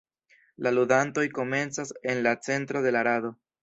La ludantoj komencas en la centro de la rado.